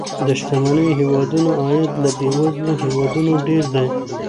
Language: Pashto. د شتمنو هیوادونو عاید له بېوزلو هیوادونو ډیر دی.